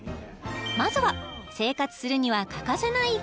まずは生活するには欠かせないキッチン